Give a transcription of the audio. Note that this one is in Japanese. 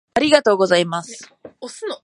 ありがとうございます